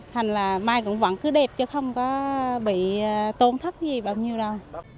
thành là mai cũng vẫn cứ đẹp chứ không có bị tôn thất gì bao nhiêu đâu